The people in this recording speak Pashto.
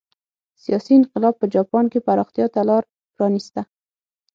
سیاسي انقلاب په جاپان کې پراختیا ته لار پرانېسته.